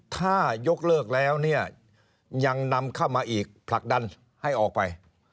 ถ้ายกเลิกแล้วเนี่ยยังนำเข้ามาอีกผลักดันให้ออกไป